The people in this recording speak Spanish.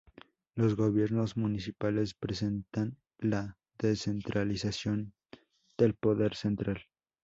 Los gobiernos municipales representan la descentralización del poder central.